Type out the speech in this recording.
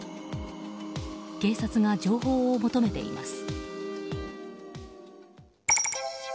警察が情報を求めています。